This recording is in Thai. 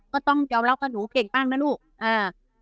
ก็ต้องเจ้าเล่ากับหนูเก่งป้างนะลูกอ่า